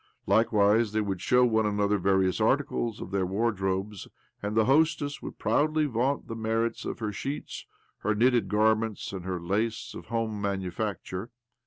Likewise they would show one another various articles of their ward robes, and the hostess would proudly vaunt the merits of her sheets, her knitted gar ments, and her lace of home manufacture.